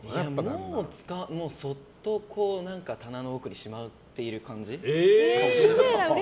もう、そっと棚の奥にしまっている感じ。